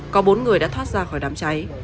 có bốn người đã thoát ra khỏi đám cháy